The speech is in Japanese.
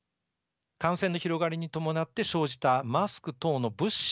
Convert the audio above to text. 感染の広がりに伴って生じたマスク等の物資の払底不足。